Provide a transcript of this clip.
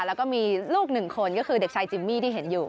แล้วก็มีลูกหนึ่งคนก็คือเด็กชายจิมมี่ที่เห็นอยู่